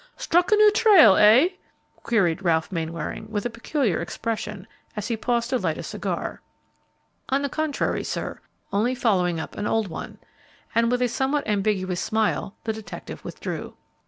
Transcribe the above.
"Struck a new trail, eh?" queried Ralph Mainwaring, with a peculiar expression, as he paused to light a cigar. "On the contrary, sir, only following up an old one," and, with a somewhat ambiguous smile, the detective withdrew.